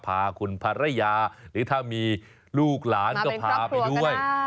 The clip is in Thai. พาคุณภรรยาหรือถ้ามีลูกหลานก็พาไปด้วย